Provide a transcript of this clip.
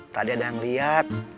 tadi ada yang lihat